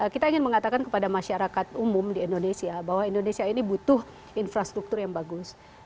kita ingin mengatakan kepada masyarakat umum di indonesia bahwa indonesia ini butuh infrastruktur yang bagus